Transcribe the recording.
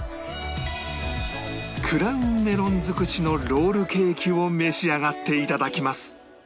クラウンメロン尽くしのロールケーキを召し上がって頂きます